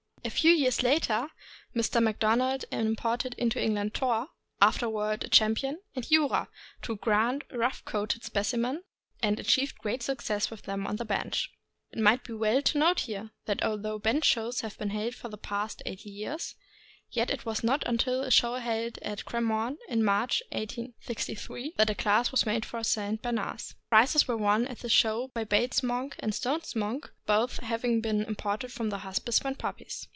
A few years later, Mr. Macdona imported into England Thor, afterward a champion, and Jura, two grand rough coated specimens, and achieved great success with them on the bench. It might be well to note here, that although bench shows have been held for the past eighty years, yet it was not until at a show held in Cremorne, in March, 1863, that a class was made for St. Bernards. Prizes were won at this show by Bates' Monk and Stone's Monk, both having been imported from the Hospice when puppies.